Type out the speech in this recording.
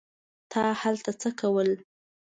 تا هلته څه کول.